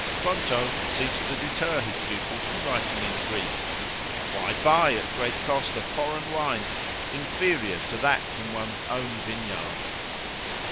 Fronto seeks to deter his pupil from writing in Greek.—Why buy, at great cost, a foreign wine, inferior to that from one's own vineyard?